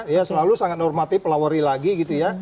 ya selalu sangat normatif pelawari lagi gitu ya